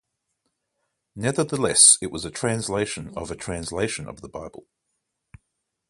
Nevertheless, it was a translation of a translation of the Bible.